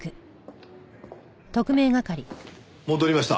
戻りました。